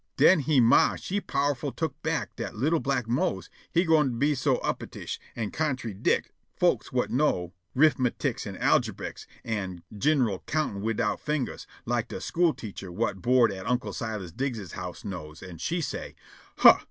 Den he ma she powerful took back dat li'l' black Mose he gwine be so uppetish an' contrydict folks whut know 'rifmeticks an' algebricks an' gin'ral countin' widout fingers, like de school teacher whut board at Unc' Silas Diggs's house knows, an' she say': "Huh!